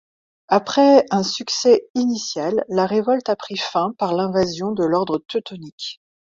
Après un succès initial, la révolte a pris fin par l'invasion de l'ordre Teutonique.